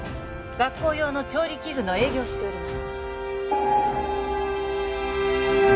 学校用の調理器具の営業をしております